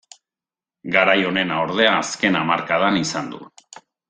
Garai onena ordea azken hamarkadan izan du.